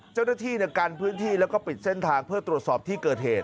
เจ้าหน้าที่กันพื้นที่แล้วก็ปิดเส้นทางเพื่อตรวจสอบที่เกิดเหตุ